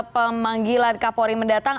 pemanggilan kapolri mendatang